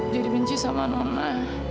jadi benci sama nona